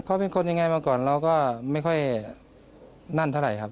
เขาเป็นคนยังไงมาก่อนเราก็ไม่ค่อยนั่นเท่าไหร่ครับ